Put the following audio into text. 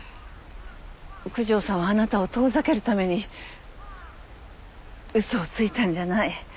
九条さんはあなたを遠ざけるために嘘をついたんじゃない。